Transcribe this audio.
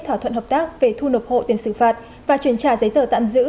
thỏa thuận hợp tác về thu nộp hộ tiền xử phạt và chuyển trả giấy tờ tạm giữ